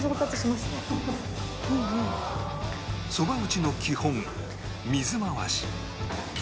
そば打ちの基本水回し